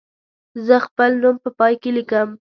زه خپل نوم په پای کې لیکم.